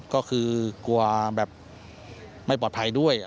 ก็คือกลัวแบบไม่ปลอดภัยด้วย